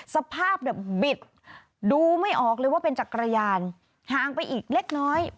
สภาพเนี่ยบิดดูไม่ออกเลยว่าเป็นจักรยานห่างไปอีกเล็กน้อย